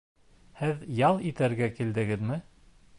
Һеҙ ял итергә килдегеҙме?